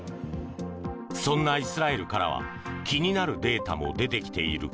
そんなイスラエルからは気になるデータも出てきている。